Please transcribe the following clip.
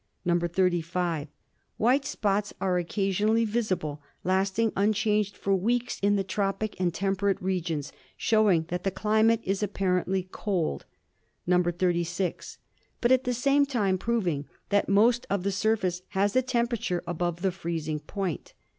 "(35) White spots are occasionally visible, lasting un changed for weeks in the tropic and temperate regions, showing that the climate is apparently cold, "(36) But at the same time proving that most of the surface has a temperature above the freezing point.